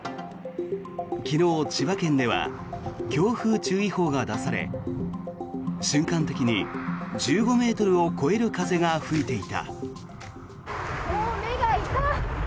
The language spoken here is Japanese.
昨日、千葉県では強風注意報が出され瞬間的に１５ｍを超える風が吹いていた。